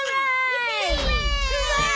イエーイ！